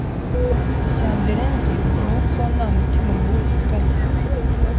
Icya mbere nzi ni uko nta mutima mubi babivugana,